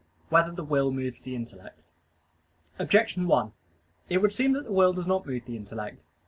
4] Whether the Will Moves the Intellect? Objection 1: It would seem that the will does not move the intellect.